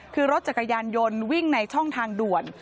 คือรถจักรยานยนต์วิ่งในช่องทางด่วน